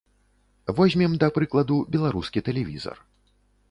Возьмем, да прыкладу, беларускі тэлевізар.